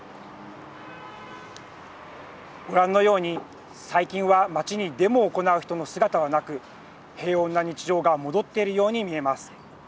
ご覧のように最近は街にデモを行う人の姿はなく平穏な日常が戻っているように見えます。